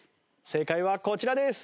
正解はこちらです。